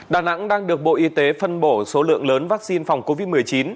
đà nẵng đang được bộ y tế phân bổ số lượng lớn vắc xin phòng covid một mươi chín